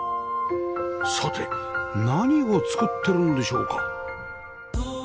さて何を作ってるんでしょうか？